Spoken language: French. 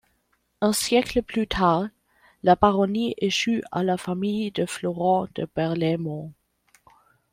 Un siècle plus tard, la baronnie échut à la famille de Florent de Berlaimont.